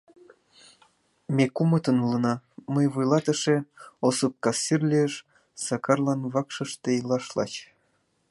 — Ме кумытын улына: мый вуйлатыше, Осып кассир лиеш, Сакарлан вакшыште илаш лач.